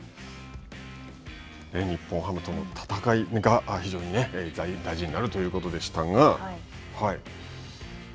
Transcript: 日本ハムとの戦いが大事になるということでしたが。